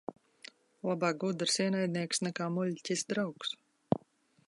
Labāk gudrs ienaidnieks nekā muļķis draugs.